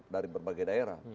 dari berbagai daerah